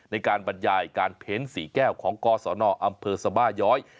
ในการบรรยายการเพ้น๔แก้วของกศนอำเภอสบาย้อย